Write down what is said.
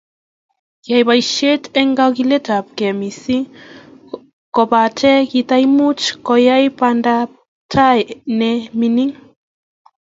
Kiyai boisyet eng kagiletabgei missing, kobate kitaimuch koyai bandaptai ne mining.